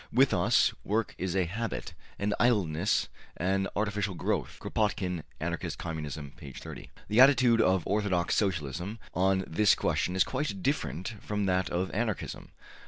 With us, work is a habit, and idleness an artificial growth.'' Kropotkin, ``Anarchist Communism,'' p. 30. The attitude of orthodox Socialism on this question is quite different from that of Anarchism.